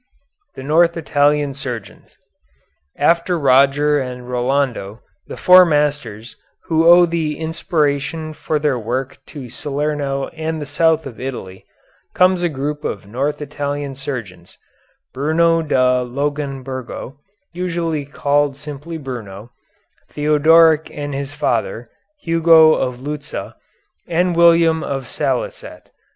THE NORTH ITALIAN SURGEONS After Roger and Rolando and the Four Masters, who owe the inspiration for their work to Salerno and the south of Italy, comes a group of north Italian surgeons: Bruno da Longoburgo, usually called simply Bruno; Theodoric and his father, Hugo of Lucca, and William of Salicet.